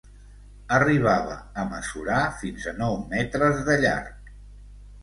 Arribava a mesurar fins a nou metres de llarg.